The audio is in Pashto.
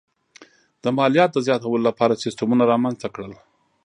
د مالیاتو د زیاتولو لپاره سیستمونه رامنځته کړل.